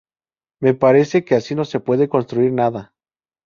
Me parece que así no se puede construir nada.